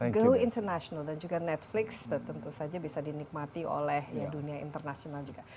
go international dan juga netflix tentu saja bisa dinikmati oleh dunia internasional juga